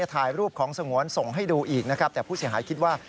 ถ่ายรูปของสงวนส่งให้ดูอีกนะครับแต่ผู้เสียหายคิดว่า